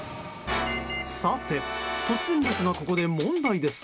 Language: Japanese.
さて、突然ですがここで問題です。